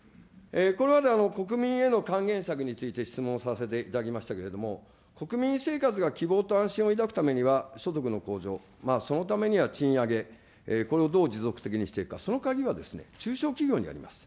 これまで国民への還元策について質問させていただきましたけれども、国民生活が希望と安心を抱くためには、所得の向上、そのためには賃上げ、これをどう持続的にしていくのか、その鍵は中小企業にあります。